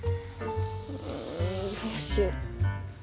うんどうしよう。